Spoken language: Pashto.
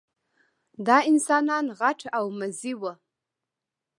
دا انسانان غټ او مزي وو.